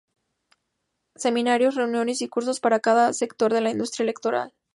Seminarios, reuniones y cursos para cada sector de la industria editorial.